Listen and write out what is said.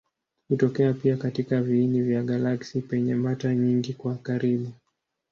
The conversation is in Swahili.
Hutokea pia katika viini vya galaksi penye mata nyingi kwa karibu.